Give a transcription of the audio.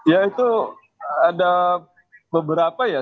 ya itu ada beberapa ya